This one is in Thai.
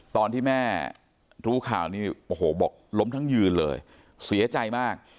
ตอนที่แม่รู้ข่าวนี่โอ้โหบอกล้มทั้งยืนเลยเสียใจมาก